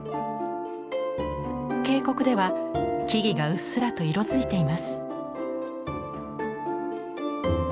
渓谷では木々がうっすらと色づいています。